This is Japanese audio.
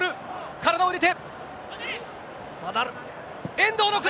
体を入れて。